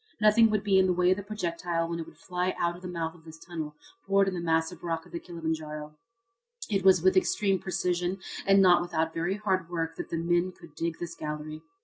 Nothing would be in the way of the projectile when it would fly out of the mouth of this tunnel bored in the massive rock of Kilimanjaro. It was with extreme precision and not without very hard work that the men could dig this gallery.